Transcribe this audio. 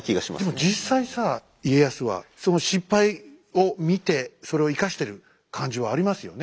でも実際さ家康は失敗を見てそれを生かしてる感じはありますよね。